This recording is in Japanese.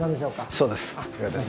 そうです。